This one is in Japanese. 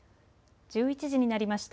１１時になりました。